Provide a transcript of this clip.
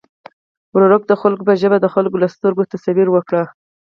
ورورک د خلکو په ژبه د خلکو له سترګو تصویر ورکړ.